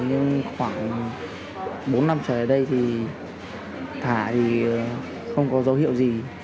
nhưng khoảng bốn năm trở lại đây thì thải thì không có dấu hiệu gì